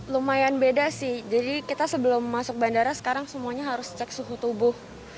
lumayan beda sih jadi kita sebelum masuk bandara sekarang semuanya harus cek suhu tubuh